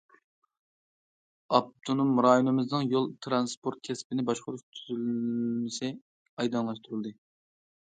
ئاپتونوم رايونىمىزنىڭ يول تىرانسپورت كەسپىنى باشقۇرۇش تۈزۈلمىسى ئايدىڭلاشتۇرۇلدى.